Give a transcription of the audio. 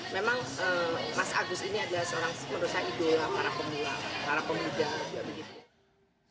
memang mas agus ini adalah seorang pendosa idola para pemuda